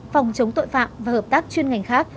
phòng chống tội phạm và hợp tác chuyên ngành khác